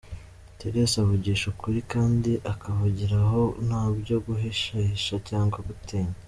Therese avugisha ukuri kandi akavugira aho nta byo guhishahisha cyangwa gutinya.